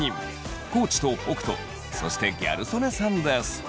地と北斗そしてギャル曽根さんです！